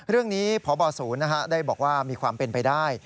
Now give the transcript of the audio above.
เรื่องนี้พบศูนย์ได้บอกว่ามีความเป็นไปได้